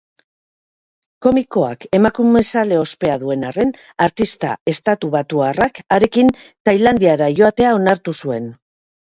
Komikoak emakumezale ospea duen arren, artista estatubatuarrak harekin tailandiara joatea onartu zuen.